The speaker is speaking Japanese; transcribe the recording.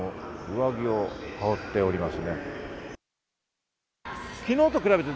上着を羽織っています。